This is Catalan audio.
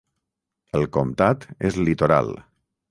El comtat és litoral.